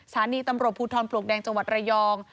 สถานีตำรวจภูทรปลวกแดงจังหวัดระยอง